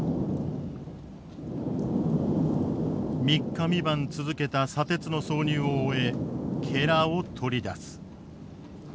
３日３晩続けた砂鉄の装入を終えを取り出す。